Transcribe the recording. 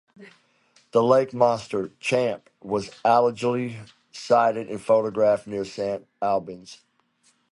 The lake monster "Champ" was allegedly sighted and photographed near Saint Albans.